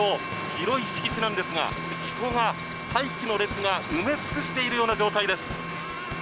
広い敷地なんですが人が、待機の列が埋め尽くしているような状態です。